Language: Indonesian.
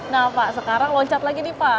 nah pak sekarang loncat lagi nih pak